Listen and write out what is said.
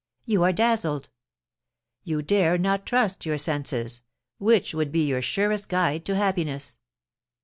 ... You are dazzled. You dare not trust your senses, which would be your surest guide to happiness.'